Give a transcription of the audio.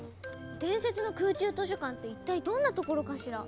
伝説の空中図書館って一体どんな所かしら？